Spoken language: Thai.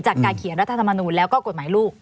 การเขียนรัฐธรรมนูลแล้วก็กฎหมายลูก